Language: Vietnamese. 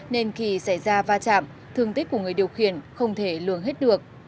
nên kỳ xảy ra va chạm thương tích của người điều khiển không thể lường hết được